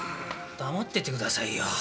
黙っててくださいよ。